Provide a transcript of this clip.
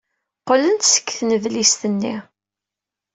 Qqlen-d seg tnedlist-nni.